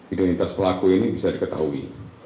identitas pelaku ini bisa diketahui